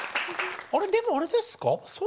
あれでもあれですか？